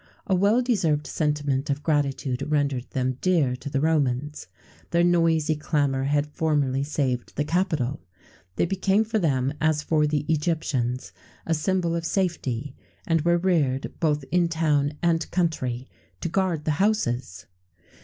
[XVII 59] A well deserved sentiment of gratitude rendered them dear to the Romans: their noisy clamour had formerly saved the Capitol.[XVII 60] They became for them, as for the Egyptians,[XVII 61] a symbol of safety, and were reared, both in town and country, to guard the houses.